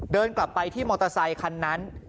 เดินกลับไปที่มอเตอร์ไซคันนั้น